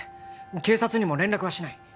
警察にも連絡はしない